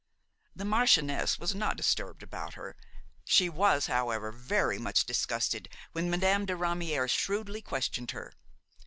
The marchioness was not disturbed about her; she was, however, very much disgusted when Madame de Ramière shrewdly questioned her.